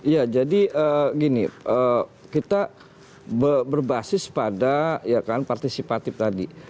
ya jadi gini kita berbasis pada ya kan partisipatif tadi